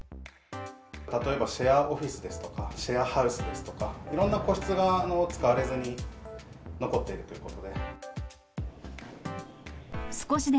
例えばシェアオフィスですとか、シェアハウスですとか、いろんな個室が使われずに残っているということで。